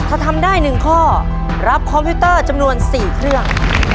ถ้าทำได้๑ข้อรับคอมพิวเตอร์จำนวน๔เครื่อง